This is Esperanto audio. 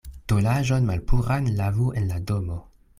Tolaĵon malpuran lavu en la domo.